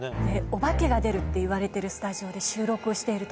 おばけが出るっていわれてるスタジオで。